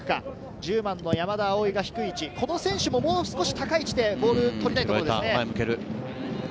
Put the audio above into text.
１０番の山田蒼が低い位置、この選手ももう少し高い位置でボールを取りたいところですね。